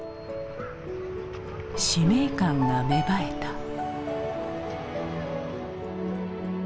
使命感が芽生えた。